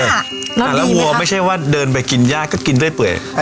แล้วดีไหมครับแล้ววัวไม่ใช่ว่าเดินไปกินย่าก็กินได้เปื่อย